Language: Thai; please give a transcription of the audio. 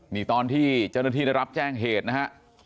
นี่ตอนที่เจ้าหน้าที่ได้รับแจ้งเหตุนะฮะ